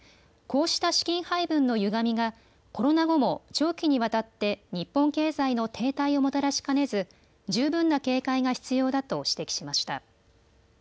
こうした資金配分のゆがみがコロナ後も長期にわたって日本経済の停滞をもたらしかねず十分な警戒が必要だと指摘しました。